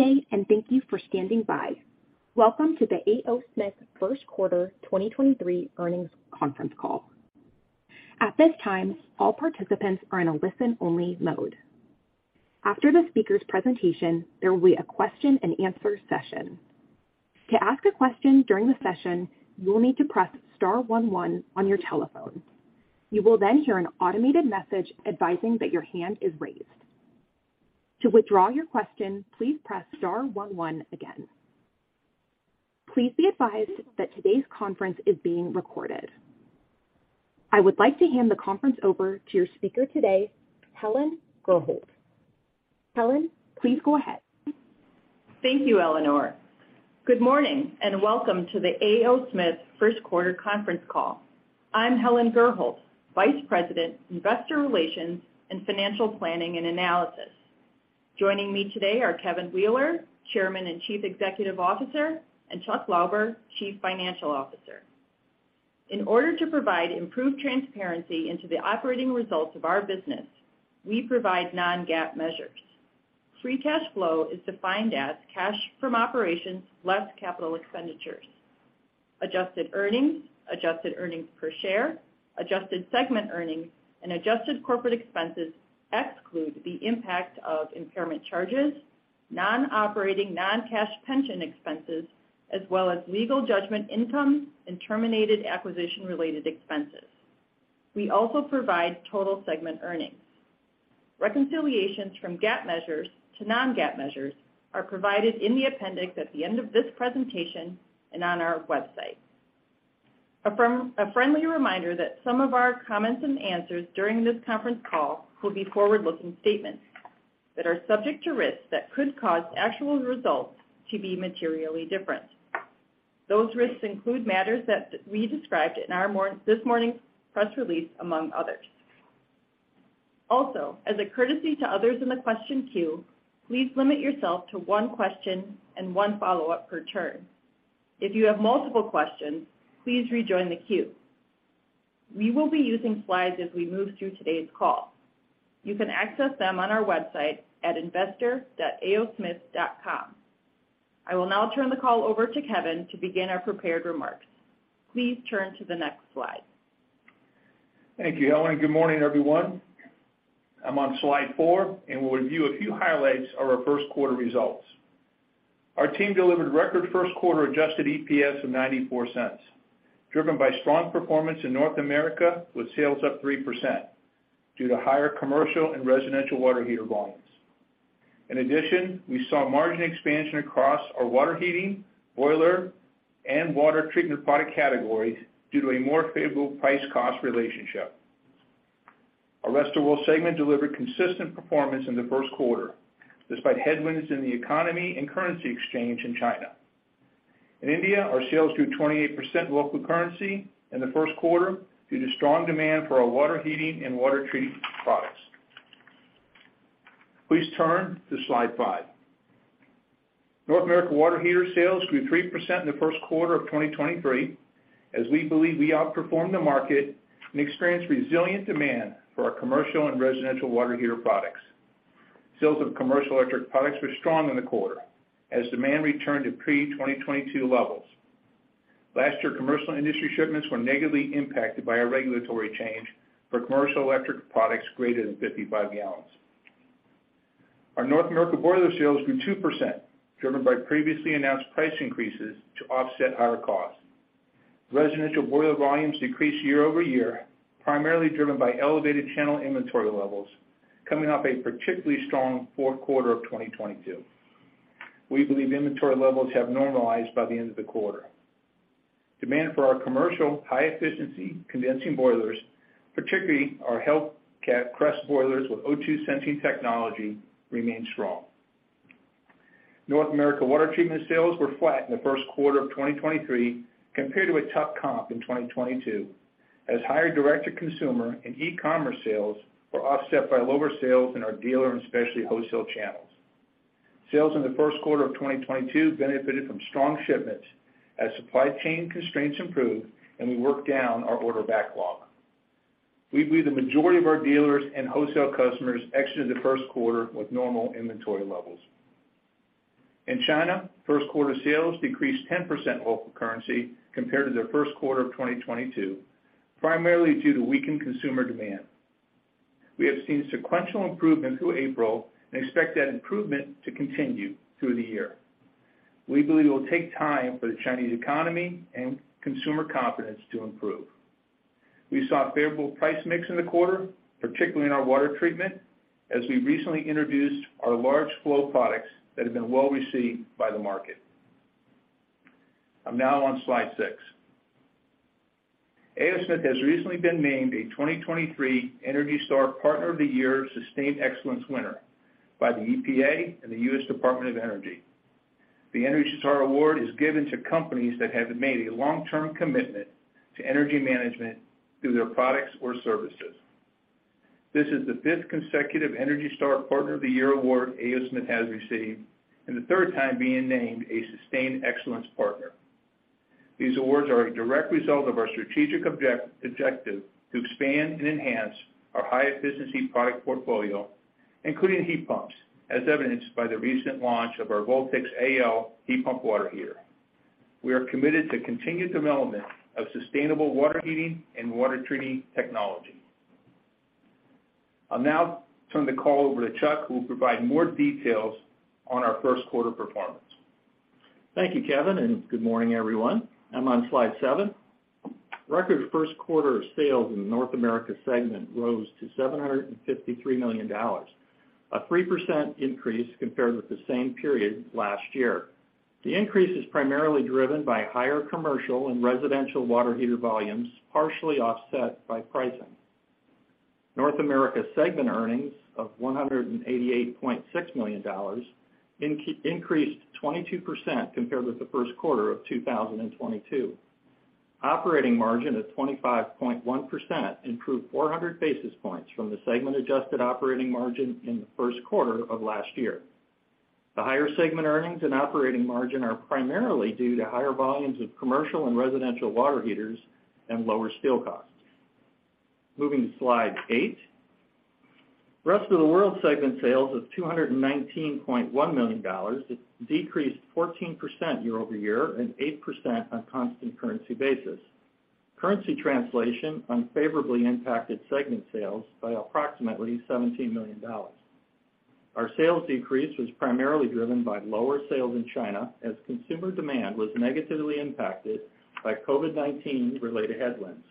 Good day, thank you for standing by. Welcome to the A. O. Smith First Quarter 2023 Earnings Conference Call. At this time, all participants are in a listen-only mode. After the speaker's presentation, there will be a question and answer session. To ask a question during the session, you will need to press star one one on your telephone. You will then hear an automated message advising that your hand is raised. To withdraw your question, please press star one one again. Please be advised that today's conference is being recorded. I would like to hand the conference over to your speaker today, Helen Gurholt. Helen, please go ahead. Thank you, Eleanor. Good morning and welcome to the A. O. Smith First Quarter Conference Call. I'm Helen Gurholt, Vice President, Investor Relations and Financial Planning and Analysis. Joining me today are Kevin Wheeler, Chairman and Chief Executive Officer, and Chuck Lauber, Chief Financial Officer. In order to provide improved transparency into the operating results of our business, we provide non-GAAP measures. Free cash flow is defined as cash from operations less capital expenditures. Adjusted earnings, adjusted earnings per share, adjusted segment earnings, and adjusted corporate expenses exclude the impact of impairment charges, non-operating non-cash pension expenses, as well as legal judgment income and terminated acquisition-related expenses. We also provide total segment earnings. Reconciliations from GAAP measures to non-GAAP measures are provided in the appendix at the end of this presentation and on our website. A friendly reminder that some of our comments and answers during this conference call will be forward-looking statements that are subject to risks that could cause actual results to be materially different. Those risks include matters that we described in our this morning's press release, among others. Also, as a courtesy to others in the question queue, please limit yourself to one question and one follow-up per turn. If you have multiple questions, please rejoin the queue. We will be using slides as we move through today's call. You can access them on our website at investor.aosmith.com. I will now turn the call over to Kevin to begin our prepared remarks. Please turn to the next slide. Thank you, Helen. Good morning, everyone. I'm on slide four. We'll review a few highlights of our first quarter results. Our team delivered record first quarter adjusted EPS of $0.94, driven by strong performance in North America, with sales up 3% due to higher commercial and residential water heater volumes. We saw margin expansion across our water heating, boiler, and water treatment product categories due to a more favorable price-cost relationship. Our Rest of World segment delivered consistent performance in the 1st quarter, despite headwinds in the economy and currency exchange in China. Our sales grew 28% local currency in the first quarter due to strong demand for our water heating and water treatment products. Please turn to slide five. North America water heater sales grew 3% in the first quarter of 2023, as we believe we outperformed the market and experienced resilient demand for our commercial and residential water heater products. Sales of commercial electric products were strong in the quarter as demand returned to pre-2022 levels. Last year, commercial industry shipments were negatively impacted by a regulatory change for commercial electric products greater than 55 gallons. Our North America boiler sales grew 2%, driven by previously announced price increases to offset higher costs. Residential boiler volumes decreased year-over-year, primarily driven by elevated channel inventory levels coming off a particularly strong fourth quarter of 2022. We believe inventory levels have normalized by the end of the quarter. Demand for our commercial high-efficiency condensing boilers, particularly our Hellcat CREST boilers with O2 sensing technology, remained strong. North America water treatment sales were flat in the first quarter of 2023 compared to a tough comp in 2022, as higher direct-to-consumer and e-commerce sales were offset by lower sales in our dealer and specialty wholesale channels. Sales in the first quarter of 2022 benefited from strong shipments as supply chain constraints improved, and we worked down our order backlog. We believe the majority of our dealers and wholesale customers exited the first quarter with normal inventory levels. In China, first quarter sales decreased 10% local currency compared to the first quarter of 2022, primarily due to weakened consumer demand. We have seen sequential improvement through April and expect that improvement to continue through the year. We believe it will take time for the Chinese economy and consumer confidence to improve. We saw a favorable price mix in the quarter, particularly in our water treatment, as we recently introduced our large flow products that have been well received by the market. I'm now on slide six. A. O. Smith has recently been named a 2023 ENERGY STAR Partner of the Year Sustained Excellence winner by the EPA and the US Department of Energy. The ENERGY STAR award is given to companies that have made a long-term commitment to energy management through their products or services. This is the fifth consecutive ENERGY STAR Partner of the Year award A. O. Smith has received, and the third time being named a Sustained Excellence Partner. These awards are a direct result of our strategic objective to expand and enhance our high efficiency product portfolio, including heat pumps, as evidenced by the recent launch of our Voltex AL heat pump water heater. We are committed to continued development of sustainable water heating and water treating technology. I'll now turn the call over to Chuck, who will provide more details on our first quarter performance. Thank you, Kevin. Good morning, everyone. I'm on slide seven. Record first quarter sales in the North America segment rose to $753 million, a 3% increase compared with the same period last year. The increase is primarily driven by higher commercial and residential water heater volumes, partially offset by pricing. North America segment earnings of $188.6 million increased 22% compared with the first quarter of 2022. Operating margin of 25.1% improved 400 basis points from the segment adjusted operating margin in the first quarter of last year. The higher segment earnings and operating margin are primarily due to higher volumes of commercial and residential water heaters and lower steel costs. Moving to slide 8. Rest of the World segment sales of $219.1 million decreased 14% year-over-year and 8% on constant currency basis. Currency translation unfavorably impacted segment sales by approximately $17 million. Our sales decrease was primarily driven by lower sales in China as consumer demand was negatively impacted by COVID-19 related headwinds.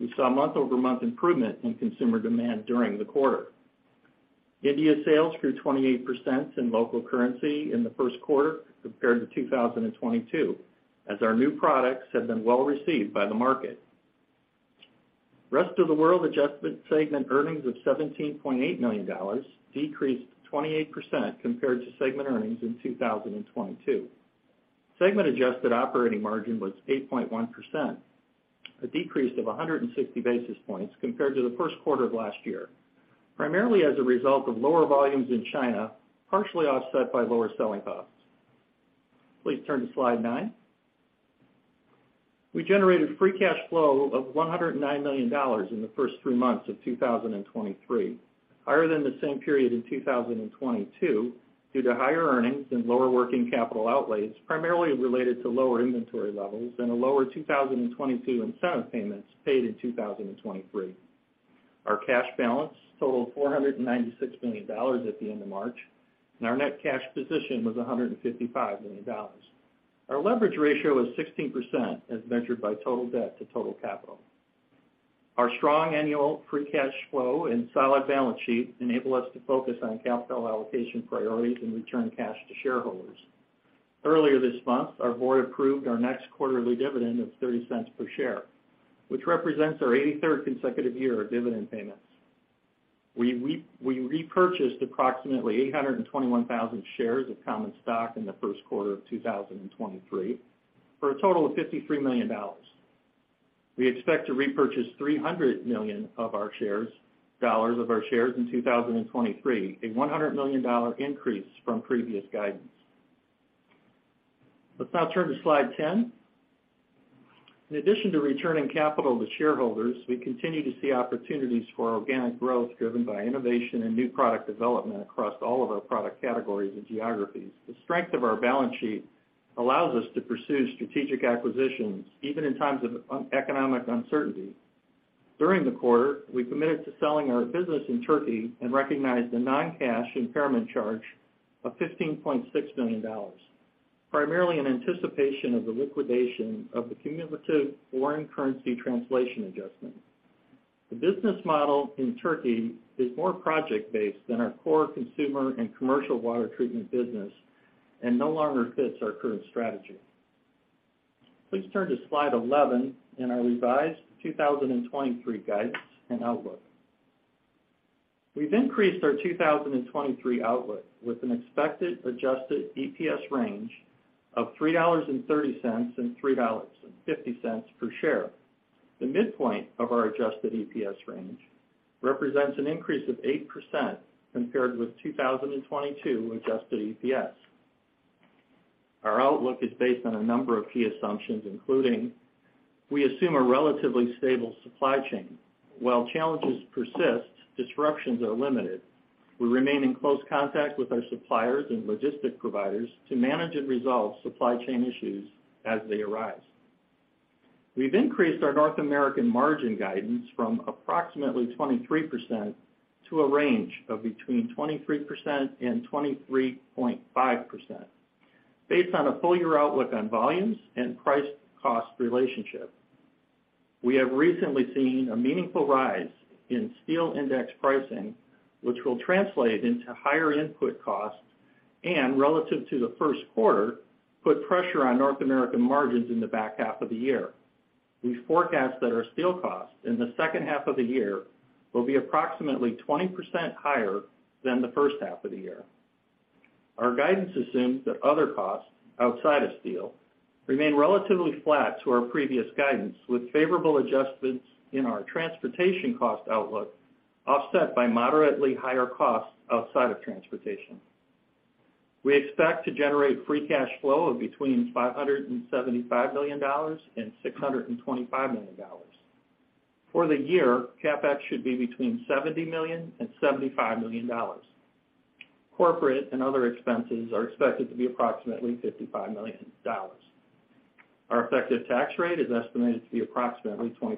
We saw month-over-month improvement in consumer demand during the quarter. India sales grew 28% in local currency in the first quarter compared to 2022, as our new products have been well-received by the market. Rest of the World adjustment segment earnings of $17.8 million decreased 28% compared to segment earnings in 2022. Segment adjusted operating margin was 8.1%, a decrease of 160 basis points compared to the first quarter of last year, primarily as a result of lower volumes in China, partially offset by lower selling costs. Please turn to slide nine. We generated free cash flow of $109 million in the first three months of 2023, higher than the same period in 2022 due to higher earnings and lower working capital outlays, primarily related to lower inventory levels and a lower 2022 incentive payments paid in 2023. Our cash balance totaled $496 million at the end of March, and our net cash position was $155 million. Our leverage ratio is 16% as measured by total debt to total capital. Our strong annual free cash flow and solid balance sheet enable us to focus on capital allocation priorities and return cash to shareholders. Earlier this month, our board approved our next quarterly dividend of $0.30 per share, which represents our 83rd consecutive year of dividend payments. We repurchased approximately 821,000 shares of common stock in the first quarter of 2023 for a total of $53 million. We expect to repurchase $300 million of our shares in 2023, a $100 million increase from previous guidance. Let's now turn to slide 10. In addition to returning capital to shareholders, we continue to see opportunities for organic growth driven by innovation and new product development across all of our product categories and geographies. The strength of our balance sheet allows us to pursue strategic acquisitions even in times of economic uncertainty. During the quarter, we committed to selling our business in Turkey and recognized a non-cash impairment charge of $15.6 million, primarily in anticipation of the liquidation of the cumulative foreign currency translation adjustment. The business model in Turkey is more project-based than our core consumer and commercial water treatment business and no longer fits our current strategy. Please turn to slide 11 and our revised 2023 guidance and outlook. We've increased our 2023 outlook with an expected adjusted EPS range of $3.30-$3.50 per share. The midpoint of our adjusted EPS range represents an increase of 8% compared with 2022 adjusted EPS. Our outlook is based on a number of key assumptions, including we assume a relatively stable supply chain. While challenges persist, disruptions are limited. We remain in close contact with our suppliers and logistic providers to manage and resolve supply chain issues as they arise. We've increased our North American margin guidance from approximately 23% to a range of between 23% and 23.5% based on a full year outlook on volumes and price-cost relationship. We have recently seen a meaningful rise in steel index pricing which will translate into higher input costs, and relative to the first quarter, put pressure on North American margins in the back half of the year. We forecast that our steel costs in the second half of the year will be approximately 20% higher than the first half of the year. Our guidance assumes that other costs outside of steel remain relatively flat to our previous guidance with favorable adjustments in our transportation cost outlook, offset by moderately higher costs outside of transportation. We expect to generate free cash flow of between $575 million and $625 million. For the year, CapEx should be between $70 million and $75 million. Corporate and other expenses are expected to be approximately $55 million. Our effective tax rate is estimated to be approximately 24%.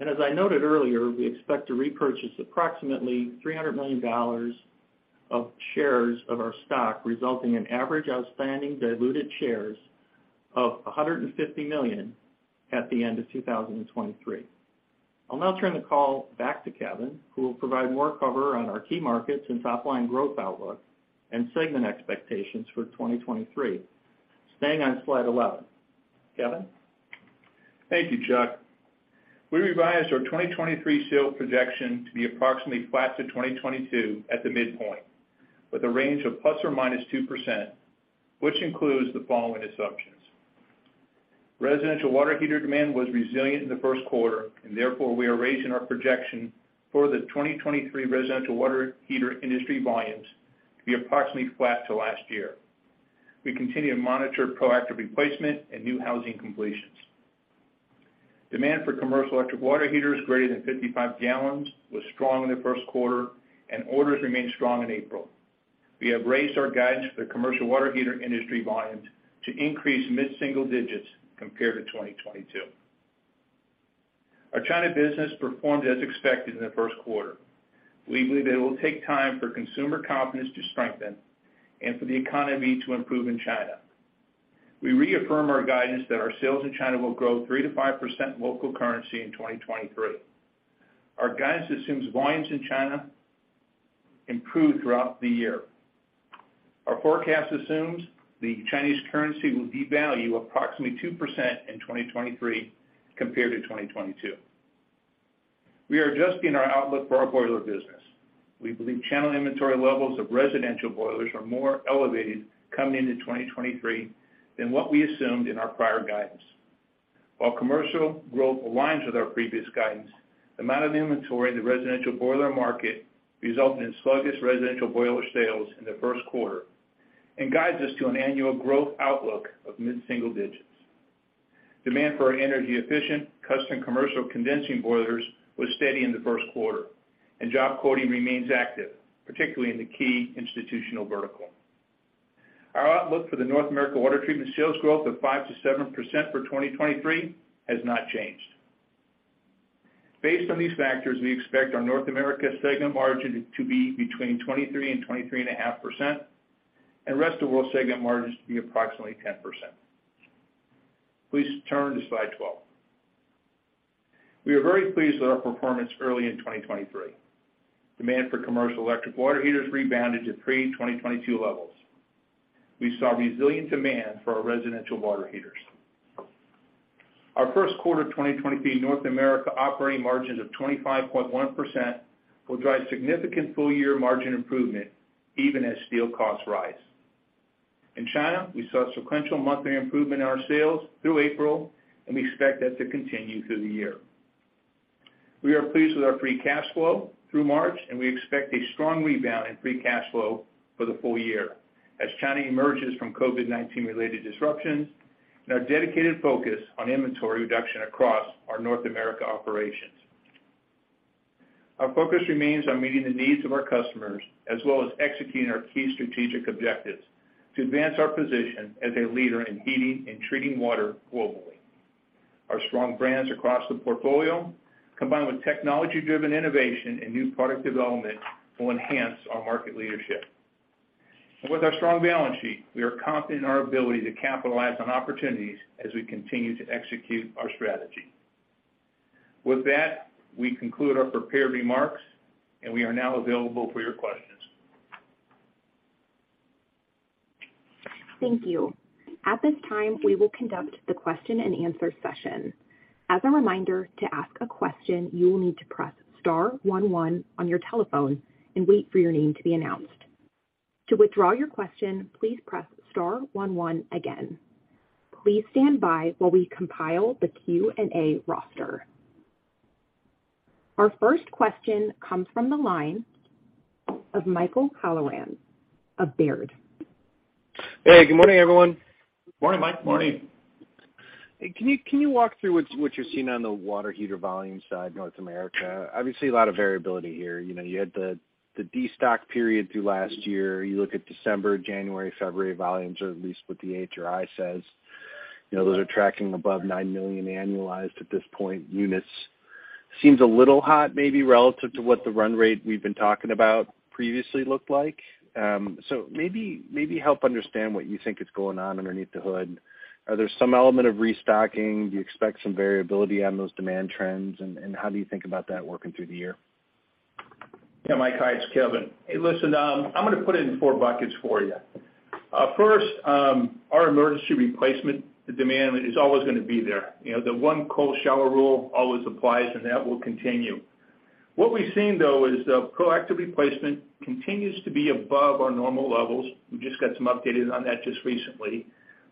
As I noted earlier, we expect to repurchase approximately $300 million of shares of our stock, resulting in average outstanding diluted shares of 150 million at the end of 2023. I'll now turn the call back to Kevin, who will provide more cover on our key markets and top line growth outlook and segment expectations for 2023. Staying on slide 11. Kevin? Thank you, Chuck. We revised our 2023 sales projection to be approximately flat to 2022 at the midpoint, with a range of ±2%, which includes the following assumptions. Residential water heater demand was resilient in the first quarter, and therefore, we are raising our projection for the 2023 residential water heater industry volumes to be approximately flat to last year. We continue to monitor proactive replacement and new housing completions. Demand for commercial electric water heaters greater than 55 gallons was strong in the first quarter and orders remained strong in April. We have raised our guidance for the commercial water heater industry volumes to increase mid-single digits compared to 2022. Our China business performed as expected in the first quarter. We believe it will take time for consumer confidence to strengthen and for the economy to improve in China. We reaffirm our guidance that our sales in China will grow 3%-5% local currency in 2023. Our guidance assumes volumes in China improve throughout the year. Our forecast assumes the Chinese currency will devalue approximately 2% in 2023 compared to 2022. We are adjusting our outlook for our boiler business. We believe channel inventory levels of residential boilers are more elevated coming into 2023 than what we assumed in our prior guidance. While commercial growth aligns with our previous guidance, the amount of inventory in the residential boiler market resulted in sluggish residential boiler sales in the first quarter and guides us to an annual growth outlook of mid-single digits. Demand for our energy efficient custom commercial condensing boilers was steady in the first quarter, and job quoting remains active, particularly in the key institutional vertical. Our outlook for the North America water treatment sales growth of 5%-7% for 2023 has not changed. Based on these factors, we expect our North America segment margin to be between 23% and 23.5%, and Rest of World segment margins to be approximately 10%. Please turn to slide 12. We are very pleased with our performance early in 2023. Demand for commercial electric water heaters rebounded to pre-2022 levels. We saw resilient demand for our residential water heaters. Our first quarter 2023 North America operating margins of 25.1% will drive significant full year margin improvement even as steel costs rise. In China, we saw sequential monthly improvement in our sales through April. We expect that to continue through the year. We are pleased with our free cash flow through March, and we expect a strong rebound in free cash flow for the full year as China emerges from COVID-19 related disruptions and our dedicated focus on inventory reduction across our North America operations. Our focus remains on meeting the needs of our customers as well as executing our key strategic objectives to advance our position as a leader in heating and treating water globally. Our strong brands across the portfolio, combined with technology-driven innovation and new product development, will enhance our market leadership. With our strong balance sheet, we are confident in our ability to capitalize on opportunities as we continue to execute our strategy. With that, we conclude our prepared remarks, and we are now available for your questions. Thank you. At this time, we will conduct the question and answer session. As a reminder, to ask a question, you will need to press star one one on your telephone and wait for your name to be announced. To withdraw your question, please press star one one again. Please stand by while we compile the Q&A roster. Our first question comes from the line of Michael Halloran of Baird. Hey, good morning, everyone. Morning, Michael Halloran. Morning. Can you walk through what you're seeing on the water heater volume side North America? Obviously, a lot of variability here. You know, you had the destock period through last year. You look at December, January, February volumes, or at least what the AHRI says. You know, those are tracking above 9 million annualized at this point units. Seems a little hot maybe relative to what the run rate we've been talking about previously looked like. So maybe help understand what you think is going on underneath the hood. Are there some element of restocking? Do you expect some variability on those demand trends? How do you think about that working through the year? Mike. Hi, it's Kevin. Listen, I'm gonna put it in four buckets for you. First, our emergency replacement demand is always gonna be there. You know, the one cold shower rule always applies, and that will continue. What we've seen, though, is the proactive replacement continues to be above our normal levels. We just got some updated on that just recently.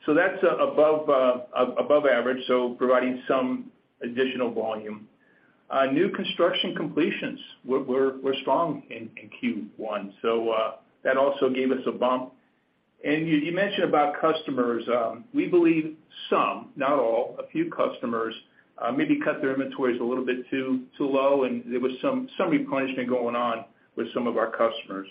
That's above average, so providing some additional volume. New construction completions were strong in Q1, so that also gave us a bump. You mentioned about customers. We believe some, not all, a few customers, maybe cut their inventories a little bit too low, and there was some replenishment going on with some of our customers.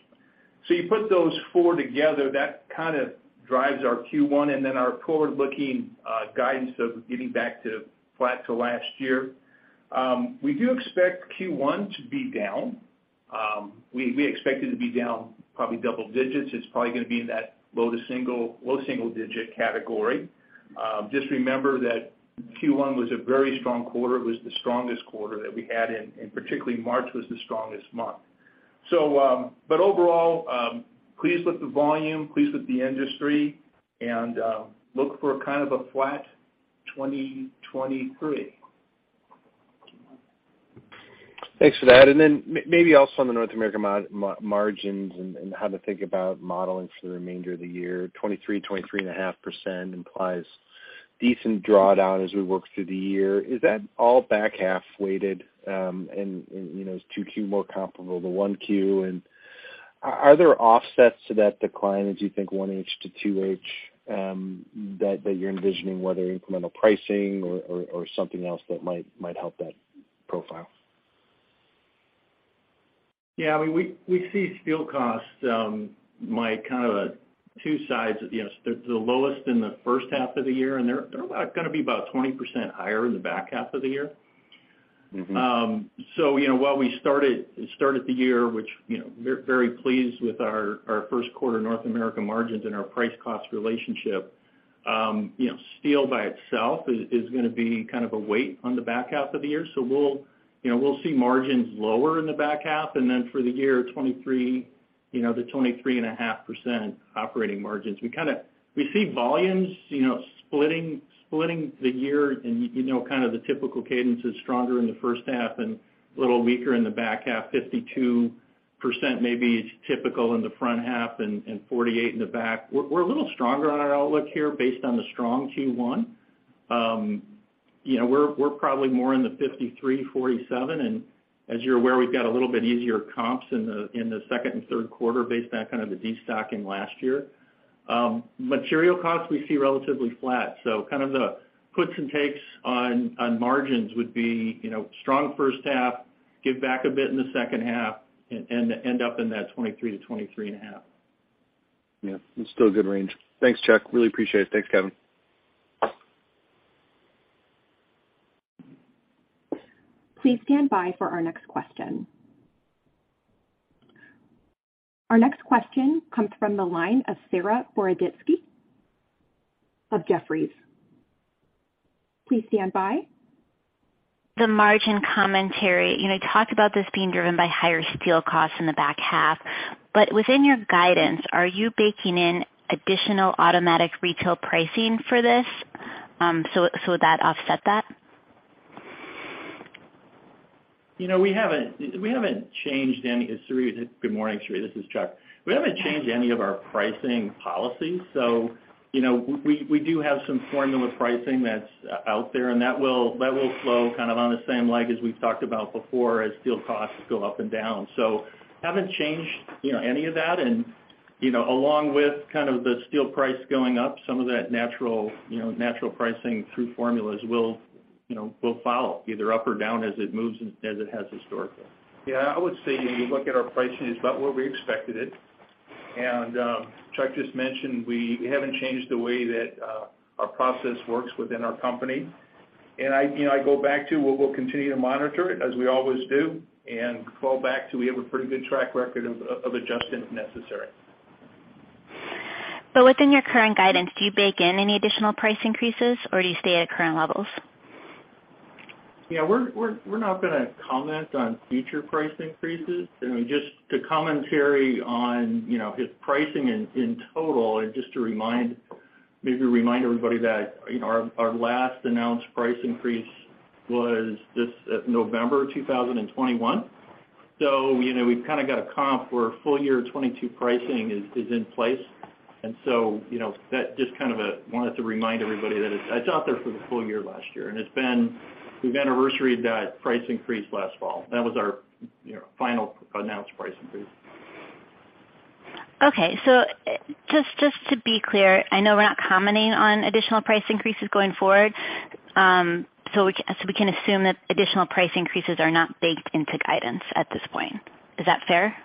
You put those four together, that kind of drives our Q1 and then our forward-looking, guidance of getting back to flat to last year. We do expect Q1 to be down. We expect it to be down probably double digits. It's probably gonna be in that low to low single digit category. Just remember that Q1 was a very strong quarter. It was the strongest quarter that we had, and particularly March was the strongest month. Overall, pleased with the volume, pleased with the industry, and look for kind of a flat 2023. Thanks for that. Maybe also on the North American margins and how to think about modeling for the remainder of the year, 23%, 23.5% implies decent drawdown as we work through the year. Is that all back-half weighted, and, you know, is 2Q more comparable to 1Q? Are there offsets to that decline as you think 1H to 2H that you're envisioning, whether incremental pricing or something else that might help that profile? Yeah, I mean, we see steel costs, Mike, kind of at two sides. You know, they're the lowest in the first half of the year, and they're gonna be about 20% higher in the back half of the year. Mm-hmm. You know, while we started the year, which, you know, we're very pleased with our first quarter North America margins and our price-cost relationship, you know, steel by itself is gonna be kind of a weight on the back half of the year. We'll, you know, we'll see margins lower in the back half. Then for the year, 2023, you know, the 23.5% operating margins. We kinda see volumes, you know, splitting the year, and you know kind of the typical cadence is stronger in the first half and a little weaker in the back half, 52% maybe is typical in the front half and 48 in the back. We're a little stronger on our outlook here based on the strong Q1. You know, we're probably more in the 53%-47%, and as you're aware, we've got a little bit easier comps in the second and third quarter based on kind of the destocking last year. Material costs we see relatively flat, so kind of the puts and takes on margins would be, you know, strong first half, give back a bit in the second half and end up in that 23%-23.5%. Yeah. It's still a good range. Thanks, Chuck. Really appreciate it. Thanks, Kevin. Please stand by for our next question. Our next question comes from the line of Saree Boroditsky of Jefferies. Please stand by. The margin commentary, you know, you talked about this being driven by higher steel costs in the back half. Within your guidance, are you baking in additional automatic retail pricing for this, so that offset that? You know, we haven't changed any. Saree. Good morning, Saree. This is Chuck. We haven't changed any of our pricing policies. You know, we do have some formula pricing that's out there, and that will, that will flow kind of on the same leg as we've talked about before as steel costs go up and down. Haven't changed, you know, any of that. You know, along with kind of the steel price going up, some of that natural, you know, natural pricing through formulas will, you know, will follow either up or down as it moves as it has historically. Yeah, I would say when you look at our pricing, it's about where we expected it. Chuck just mentioned we haven't changed the way that our process works within our company. I, you know, I go back to we'll continue to monitor it as we always do and fall back to we have a pretty good track record of adjusting if necessary. Within your current guidance, do you bake in any additional price increases, or do you stay at current levels? Yeah. We're not gonna comment on future price increases. I mean, just to commentary on, you know, 'cause pricing in total, and just to remind, maybe remind everybody that, you know, our last announced price increase was this November 2021. You know, we've kind of got a comp where full year 2022 pricing is in place. You know, that just kind of wanted to remind everybody that it's out there for the full year last year. We've anniversaried that price increase last fall. That was our, you know, final announced price increase. Just to be clear, I know we're not commenting on additional price increases going forward. We can assume that additional price increases are not baked into guidance at this point. Is that fair?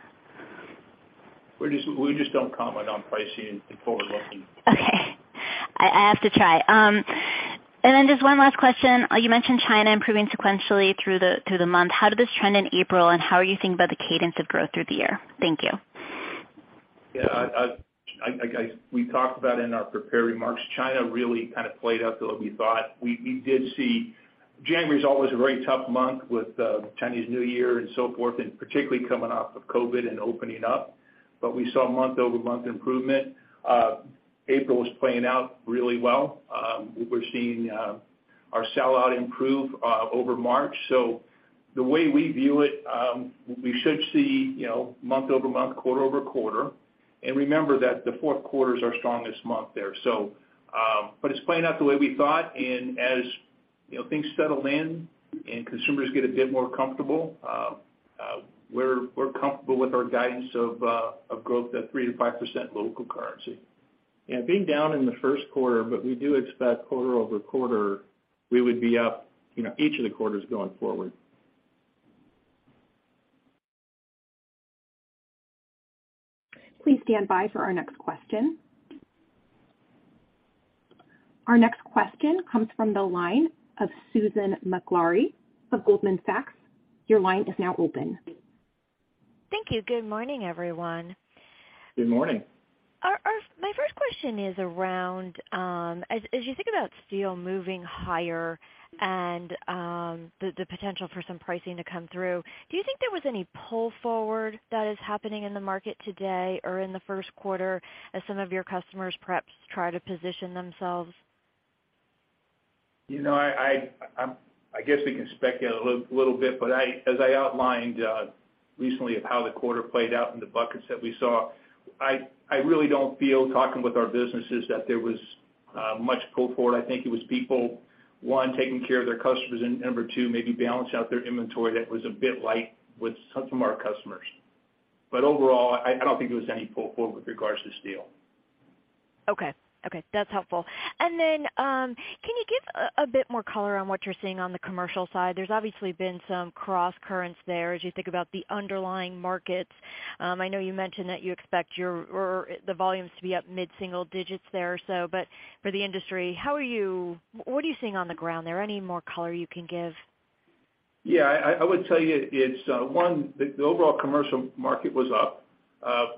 We just don't comment on pricing forward-looking. Okay. I have to try. Then just one last question. You mentioned China improving sequentially through the month. How did this trend in April, and how are you thinking about the cadence of growth through the year? Thank you. We talked about in our prepared remarks, China really kind of played out to what we thought. We did see January's always a very tough month with Chinese New Year and so forth, and particularly coming off of COVID and opening up. We saw month-over-month improvement. April is playing out really well. We're seeing our sell-out improve over March. The way we view it, you know, we should see month-over-month, quarter-over-quarter. Remember that the fourth quarter is our strongest month there. It's playing out the way we thought. As, you know, things settle in and consumers get a bit more comfortable, we're comfortable with our guidance of growth at 3%-5% local currency. Yeah, being down in the first quarter, but we do expect quarter-over-quarter, we would be up, you know, each of the quarters going forward. Please stand by for our next question. Our next question comes from the line of Susan Maklari of Goldman Sachs. Your line is now open. Thank you. Good morning, everyone. Good morning. My first question is around, as you think about steel moving higher and, the potential for some pricing to come through, do you think there was any pull forward that is happening in the market today or in the first quarter as some of your customers perhaps try to position themselves? You know, I guess we can speculate a little bit, but I, as I outlined, recently of how the quarter played out in the buckets that we saw, I really don't feel, talking with our businesses, that there was much pull forward. I think it was people, one, taking care of their customers, and number two, maybe balance out their inventory that was a bit light with some from our customers. Overall, I don't think it was any pull forward with regards to steel. Okay. Okay, that's helpful. Can you give a bit more color on what you're seeing on the commercial side? There's obviously been some crosscurrents there as you think about the underlying markets. I know you mentioned that you expect the volumes to be up mid-single digits there. For the industry, what are you seeing on the ground there? Any more color you can give? Yeah. I would tell you it's one, the overall commercial market was up,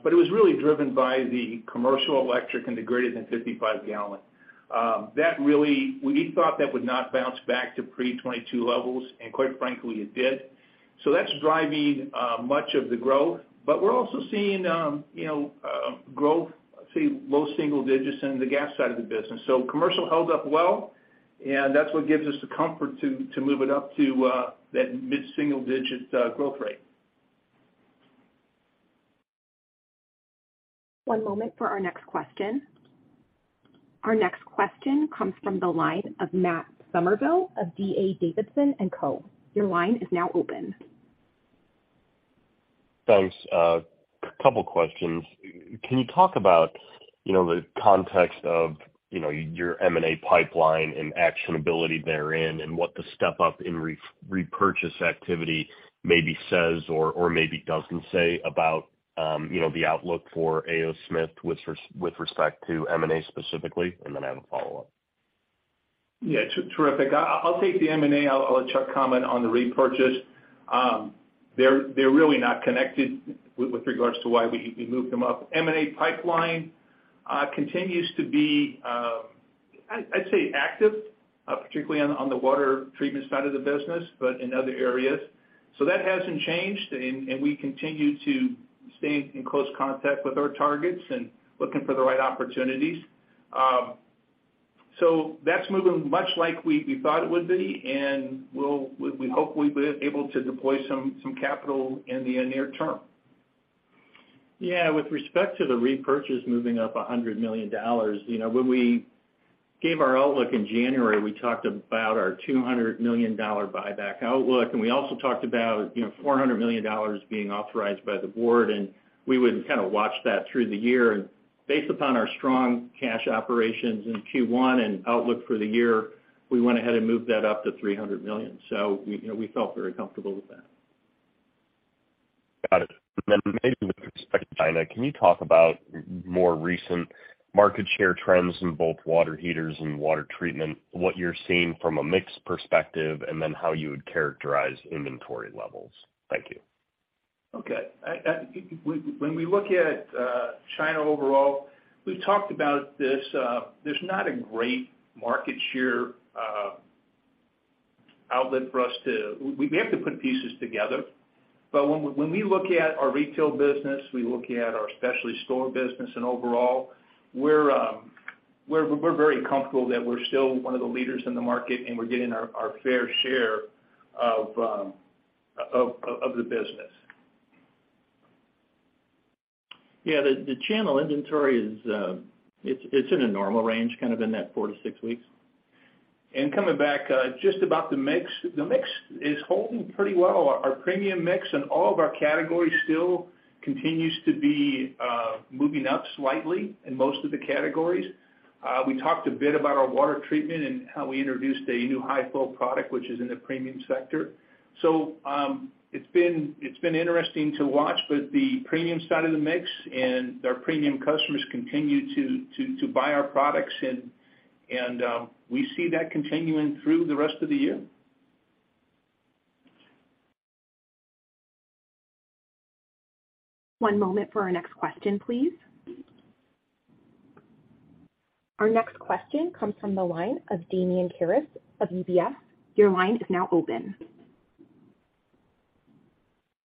but it was really driven by the commercial electric and the greater than 55 gallon. We thought that would not bounce back to pre-2022 levels, and quite frankly, it did. That's driving much of the growth. We're also seeing, you know, growth, say, low single-digits in the gas side of the business. Commercial held up well, and that's what gives us the comfort to move it up to that mid-single-digit growth rate. One moment for our next question. Our next question comes from the line of Matt Summerville of D.A. Davidson & Co. Your line is now open. Thanks. A couple questions. Can you talk about, you know, the context of, you know, your M&A pipeline and actionability therein and what the step up in repurchase activity maybe says or maybe doesn't say about, you know, the outlook for A. O. Smith with respect to M&A specifically? I have a follow-up. Terrific. I'll take the M&A. I'll let Chuck comment on the repurchase. They're really not connected with regards to why we moved them up. M&A pipeline continues to be, I'd say active, particularly on the water treatment side of the business, but in other areas. That hasn't changed and we continue to stay in close contact with our targets and looking for the right opportunities. That's moving much like we thought it would be, and we hope we'll be able to deploy some capital in the near term. With respect to the repurchase moving up $100 million, you know, when we gave our outlook in January, we talked about our $200 million buyback outlook, and we also talked about, you know, $400 million being authorized by the Board, and we would kind of watch that through the year. Based upon our strong cash operations in Q1 and outlook for the year, we went ahead and moved that up to $300 million. We, you know, we felt very comfortable with that. Got it. Maybe with respect to China, can you talk about more recent market share trends in both water heaters and water treatment, what you're seeing from a mix perspective, and then how you would characterize inventory levels? Thank you. Okay. When we look at China overall, we've talked about this. There's not a great market share outlet for us to... We have to put pieces together. When we look at our retail business, we look at our specialty store business and overall, we're very comfortable that we're still one of the leaders in the market and we're getting our fair share of the business. Yeah. The channel inventory is, it's in a normal range, kind of in that four-six weeks. Coming back, just about the mix. The mix is holding pretty well. Our premium mix and all of our categories still continues to be moving up slightly in most of the categories. We talked a bit about our water treatment and how we introduced a new high flow product, which is in the premium sector. It's been interesting to watch, but the premium side of the mix and our premium customers continue to buy our products and, we see that continuing through the rest of the year. One moment for our next question, please. Our next question comes from the line of Damian Karas of UBS. Your line is now open.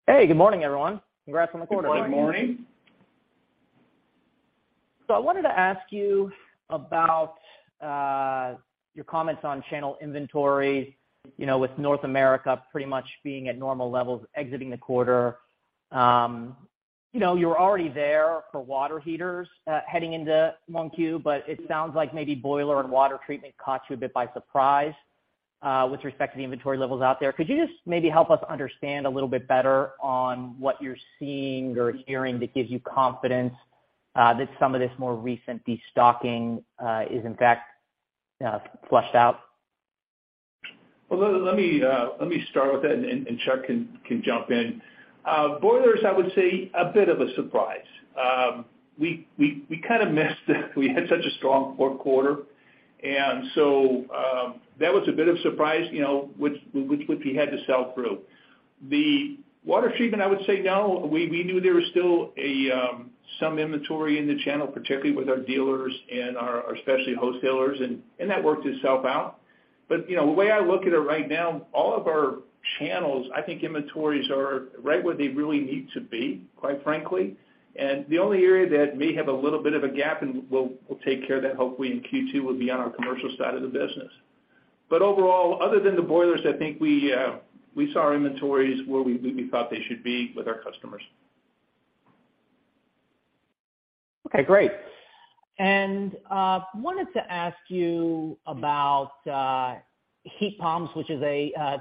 Hey, good morning, everyone. Congrats on the quarter. Good morning. I wanted to ask you about your comments on channel inventory, you know, with North America pretty much being at normal levels exiting the quarter. You know, you're already there for water heaters, heading into 1Q, but it sounds like maybe boiler and water treatment caught you a bit by surprise with respect to the inventory levels out there. Could you just maybe help us understand a little bit better on what you're seeing or hearing that gives you confidence that some of this more recent destocking is in fact flushed out? Well, let me start with that and Chuck can jump in. Boilers, I would say a bit of a surprise. We kind of missed that we had such a strong fourth quarter, and so that was a bit of surprise, you know, which we had to sell through. The water treatment, I would say no. We knew there was still some inventory in the channel, particularly with our dealers and our especially wholesalers and that worked itself out. You know, the way I look at it right now, all of our channels, I think inventories are right where they really need to be, quite frankly. The only area that may have a little bit of a gap, and we'll take care of that hopefully in Q2, will be on our commercial side of the business. Overall, other than the boilers, I think we saw inventories where we thought they should be with our customers. Okay, great. Wanted to ask you about heat pumps, which is a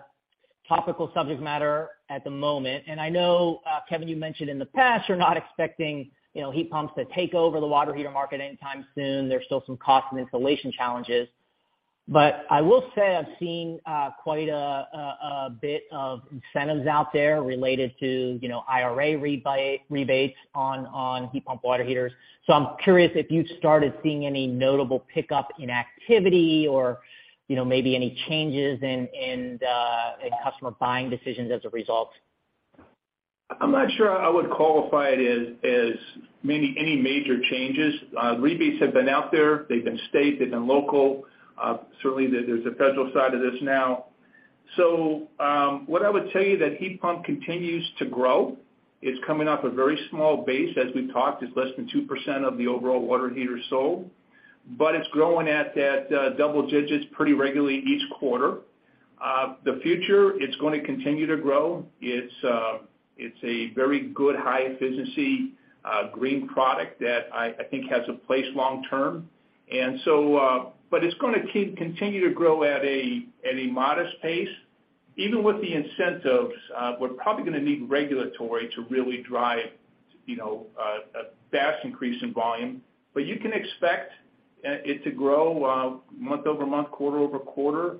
topical subject matter at the moment. I know Kevin, you mentioned in the past you're not expecting, you know, heat pumps to take over the water heater market anytime soon. There's still some cost and installation challenges. I will say I've seen quite a bit of incentives out there related to, you know, IRA rebates on heat pump water heaters. I'm curious if you've started seeing any notable pickup in activity or, you know, maybe any changes in customer buying decisions as a result? I'm not sure I would qualify it as maybe any major changes. Rebates have been out there. They've been state, they've been local. Certainly there's a federal side to this now. What I would tell you that heat pump continues to grow. It's coming off a very small base, as we've talked. It's less than 2% of the overall water heaters sold, but it's growing at that double digits pretty regularly each quarter. The future, it's gonna continue to grow. It's a very good high efficiency green product that I think has a place long term. It's gonna continue to grow at a modest pace. Even with the incentives, we're probably gonna need regulatory to really drive, you know, a fast increase in volume. You can expect it to grow month-over-month, quarter-over-quarter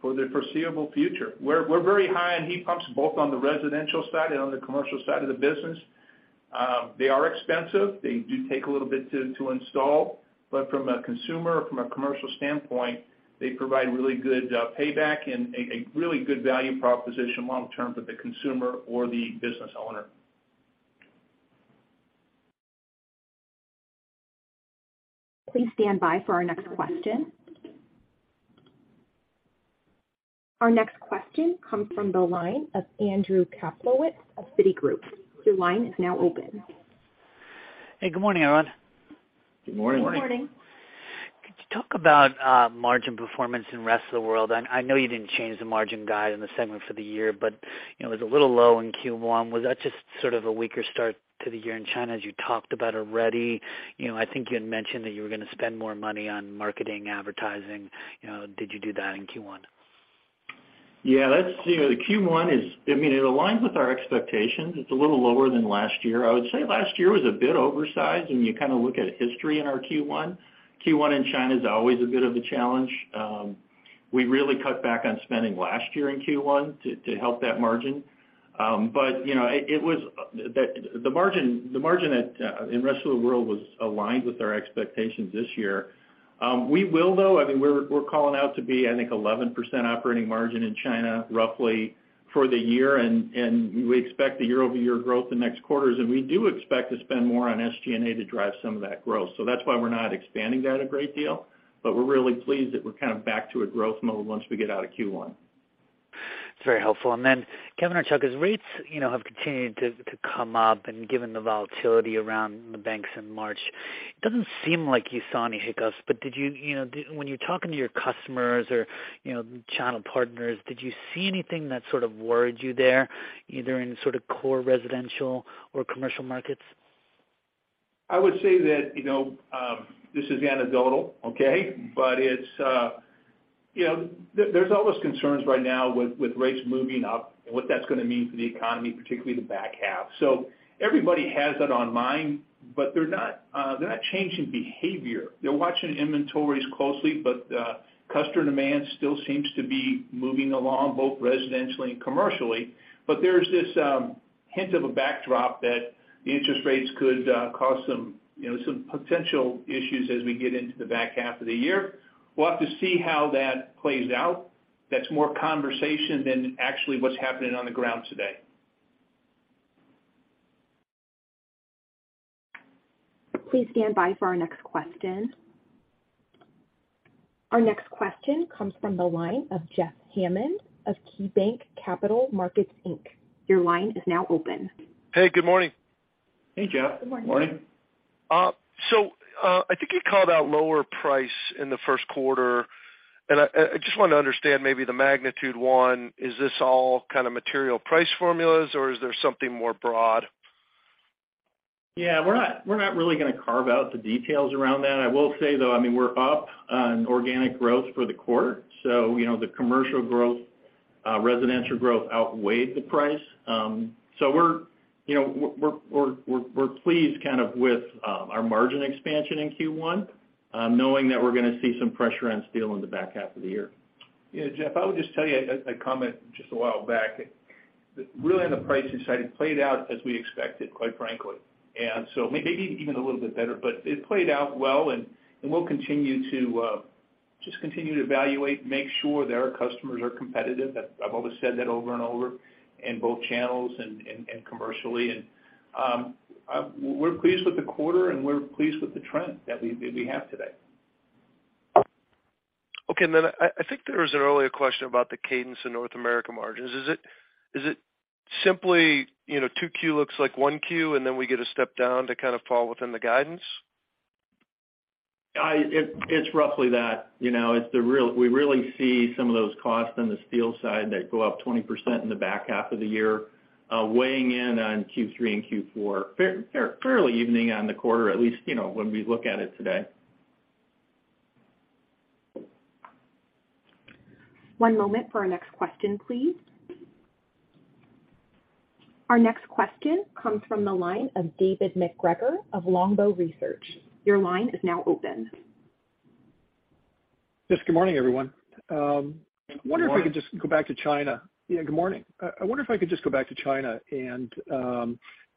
for the foreseeable future. We're very high on heat pumps, both on the residential side and on the commercial side of the business. They are expensive. They do take a little bit to install. From a consumer, from a commercial standpoint, they provide really good payback and a really good value proposition long term for the consumer or the business owner. Please stand by for our next question. Our next question comes from the line of Andrew Kaplowitz of Citigroup. Your line is now open. Hey, good morning, everyone. Good morning. Good morning. Could you talk about margin performance in rest of the world? I know you didn't change the margin guide in the segment for the year, but, you know, it was a little low in Q1. Was that just sort of a weaker start to the year in China, as you talked about already? You know, I think you had mentioned that you were gonna spend more money on marketing, advertising, you know. Did you do that in Q1? Yeah. That's, you know, the Q1, I mean, it aligns with our expectations. It's a little lower than last year. I would say last year was a bit oversized, and you kind of look at history in our Q1. Q1 in China is always a bit of a challenge. We really cut back on spending last year in Q1 to help that margin. You know, the margin at in rest of the world was aligned with our expectations this year. We will though, I mean, we're calling out to be, I think, 11% operating margin in China, roughly, for the year. We expect the year-over-year growth in next quarters, and we do expect to spend more on SG&A to drive some of that growth. That's why we're not expanding that a great deal, but we're really pleased that we're kind of back to a growth mode once we get out of Q1. It's very helpful. Then Kevin or Chuck, as rates, you know, have continued to come up and given the volatility around the banks in March, it doesn't seem like you saw any hiccups, but did you know, when you're talking to your customers or, you know, channel partners, did you see anything that sort of worried you there, either in sort of core residential or commercial markets? I would say that, you know, this is anecdotal, okay? It's, you know, there's always concerns right now with rates moving up and what that's gonna mean for the economy, particularly the back half. Everybody has that on mind, but they're not changing behavior. They're watching inventories closely, but customer demand still seems to be moving along, both residentially and commercially. There's this hint of a backdrop that the interest rates could cause some, you know, potential issues as we get into the back half of the year. We'll have to see how that plays out. That's more conversation than actually what's happening on the ground today. Please stand by for our next question. Our next question comes from the line of Jeff Hammond of KeyBanc Capital Markets Inc. Your line is now open. Hey, good morning. Hey, Jeff. Good morning. Morning. I think you called out lower price in the first quarter, and I just wanna understand maybe the magnitude 1, is this all kind of material price formulas, or is there something more broad? Yeah, we're not, we're not really gonna carve out the details around that. I will say, though, I mean, we're up on organic growth for the quarter. You know, the commercial growth, residential growth outweighed the price. We're, you know, we're pleased kind of with our margin expansion in Q1, knowing that we're gonna see some pressure on steel in the back half of the year. Yeah, Jeff, I would just tell you a comment just a while back. Really on the price side, it played out as we expected, quite frankly. Maybe even a little bit better, but it played out well, and we'll continue to just continue to evaluate, make sure that our customers are competitive. I've always said that over and over in both channels and commercially. We're pleased with the quarter, and we're pleased with the trend that we have today. Okay. I think there was an earlier question about the cadence in North America margins. Is it, is it simply, you know, two Q looks like one Q, and then we get a step down to kind of fall within the guidance? It's roughly that. You know, we really see some of those costs on the steel side that go up 20% in the back half of the year, weighing in on Q3 and Q4. Fairly evening on the quarter, at least, you know, when we look at it today. One moment for our next question, please. Our next question comes from the line of David MacGregor of Longbow Research. Your line is now open. Yes. Good morning, everyone. Good morning. I wonder if I could just go back to China. Good morning. I wonder if I could just go back to China and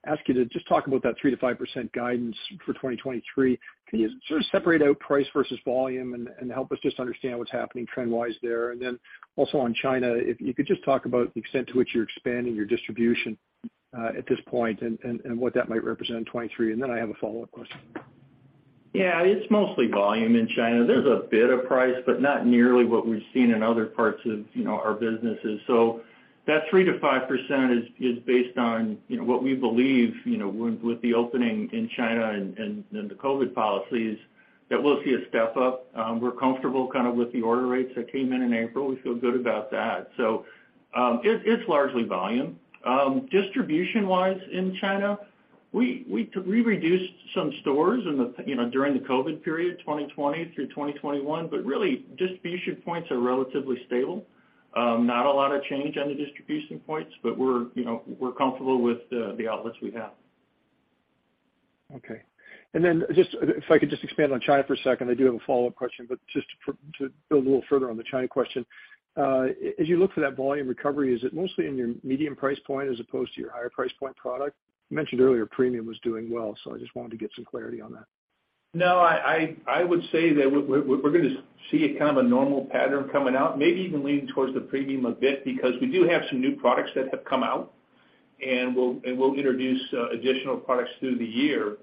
ask you to just talk about that 3%-5% guidance for 2023. Can you sort of separate out price versus volume and help us just understand what's happening trend-wise there? Also on China, if you could just talk about the extent to which you're expanding your distribution at this point and what that might represent in 2023. I have a follow-up question. It's mostly volume in China. There's a bit of price, but not nearly what we've seen in other parts of, you know, our businesses. That 3%-5% is based on, you know, what we believe, you know, with the opening in China and the COVID policies, that we'll see a step up. We're comfortable kind of with the order rates that came in in April. We feel good about that. It's largely volume. Distribution-wise in China, we reduced some stores, you know, during the COVID period, 2020 through 2021, but really distribution points are relatively stable. Not a lot of change on the distribution points, but we're, you know, we're comfortable with the outlets we have. Okay. Just if I could just expand on China for a second, I do have a follow-up question, but just to build a little further on the China question. As you look for that volume recovery, is it mostly in your medium price point as opposed to your higher price point product? You mentioned earlier premium was doing well, I just wanted to get some clarity on that. No, I would say that we're gonna see a kind of a normal pattern coming out, maybe even leaning towards the premium a bit because we do have some new products that have come out, and we'll introduce additional products through the year.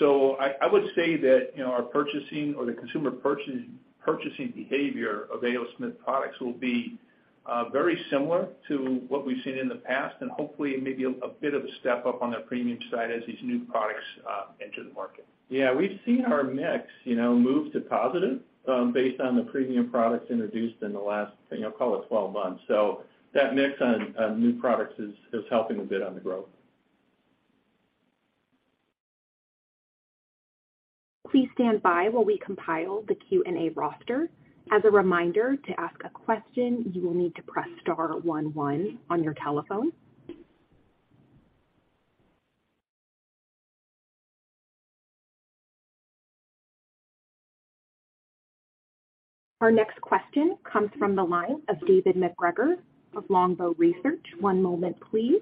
I would say that, you know, our purchasing or the consumer purchasing behavior of A. O. Smith products will be very similar to what we've seen in the past and hopefully maybe a bit of a step up on the premium side as these new products enter the market. We've seen our mix, you know, move to positive, based on the premium products introduced in the last, you know, call it 12 months. That mix on new products is helping a bit on the growth. Please stand by while we compile the Q&A roster. As a reminder, to ask a question, you will need to press star one one on your telephone. Our next question comes from the line of David MacGregor of Longbow Research. One moment, please.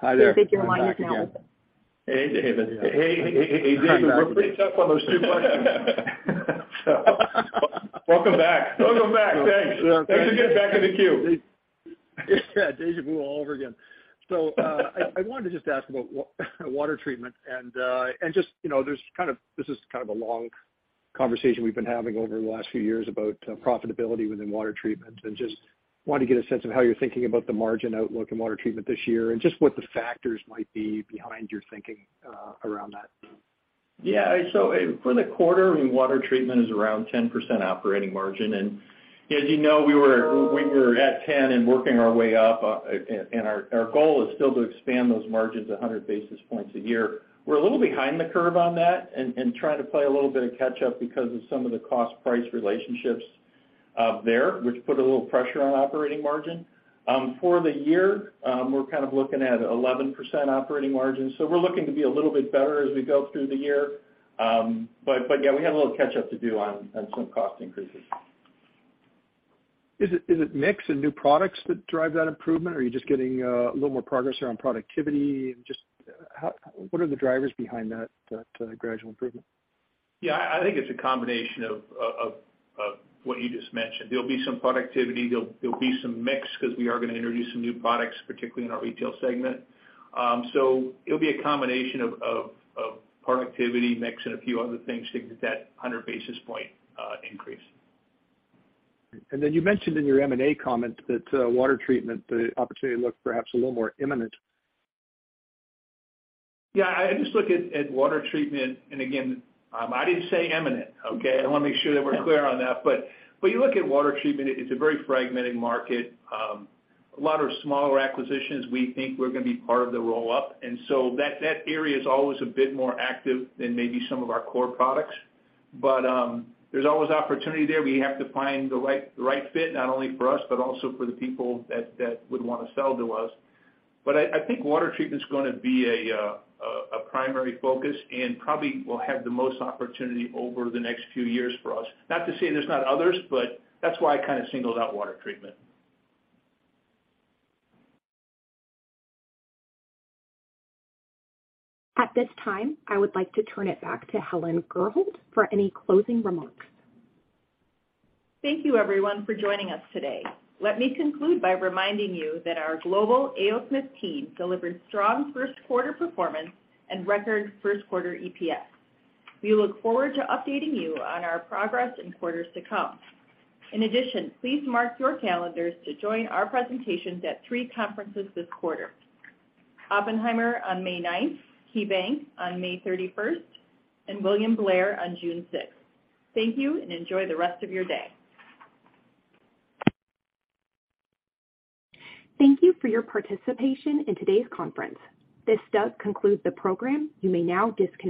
Hi there. David, your line is now open. Hey, David. Hey, David. We're pretty tough on those two buttons. Welcome back. Thanks. Nice to get back in the queue. Yeah, deja vu all over again. I wanted to just ask about water treatment and just, you know, this is kind of a long conversation we've been having over the last few years about profitability within water treatment and just wanted to get a sense of how you're thinking about the margin outlook in water treatment this year and just what the factors might be behind your thinking, around that. Yeah. For the quarter, I mean, water treatment is around 10% operating margin. As you know, we were at 10 and working our way up, and our goal is still to expand those margins 100 basis points a year. We're a little behind the curve on that and trying to play a little bit of catch up because of some of the cost price relationships there, which put a little pressure on operating margin. For the year, we're kind of looking at 11% operating margin. We're looking to be a little bit better as we go through the year. But yeah, we have a little catch up to do on some cost increases. Is it mix and new products that drive that improvement, or are you just getting a little more progress around productivity? Just what are the drivers behind that gradual improvement? Yeah, I think it's a combination of what you just mentioned. There'll be some productivity, there'll be some mix 'cause we are gonna introduce some new products, particularly in our retail segment. It'll be a combination of productivity mix and a few other things to get that 100 basis point increase. You mentioned in your M&A comment that, water treatment, the opportunity looks perhaps a little more imminent. Yeah, I just look at water treatment. Again, I didn't say imminent, okay? I wanna make sure that we're clear on that. You look at water treatment, it's a very fragmented market, a lot of smaller acquisitions. We think we're gonna be part of the roll-up, and so that area is always a bit more active than maybe some of our core products. There's always opportunity there. We have to find the right fit, not only for us, but also for the people that would wanna sell to us. I think water treatment's gonna be a primary focus and probably will have the most opportunity over the next few years for us. Not to say there's not others, but that's why I kind of singled out water treatment. At this time, I would like to turn it back to Helen Gurholt for any closing remarks. Thank you everyone for joining us today. Let me conclude by reminding you that our global A. O. Smith team delivered strong first quarter performance and record first quarter EPS. We look forward to updating you on our progress in quarters to come. Please mark your calendars to join our presentations at three conferences this quarter. Oppenheimer on May 9th, KeyBank on May 31st, and William Blair on June 6th. Thank you and enjoy the rest of your day. Thank you for your participation in today's conference. This does conclude the program. You may now disconnect.